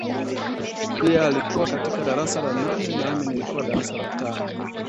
Pia alikuwa katika darasa la nane nami nilikuwa darasa la tano